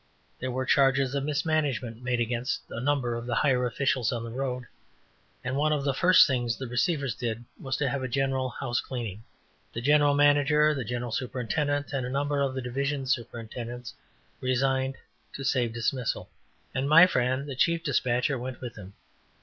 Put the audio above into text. There were charges of mismanagement made against a number of the higher officials of the road, and one of the first things the receivers did was to have a general "house cleaning." The general manager, the general superintendent, and a number of the division superintendents resigned to save dismissal, and my friend the chief despatcher went with them.